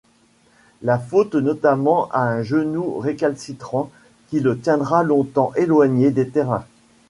La faute notamment à un genou récalcitrant qui le tiendra longtemps éloigné des terrains.